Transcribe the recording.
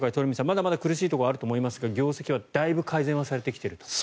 まだまだ苦しいところはあると思いますが業績はだいぶ改善されてきていると。